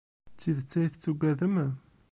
D tidet ay tettaggadem?